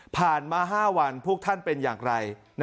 ผ่านมา๕วันพวกท่านเป็นอย่างไร